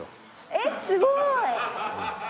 えっすごーい！